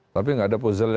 tapi gak ada puzzle